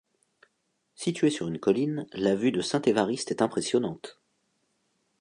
Située sur une colline, la vue de Saint-Évariste est impressionnante.